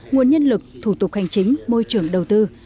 nguồn nhân lực thủ tục hành chính môi trường đầu tư